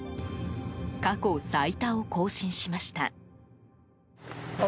過去最多を更新しました。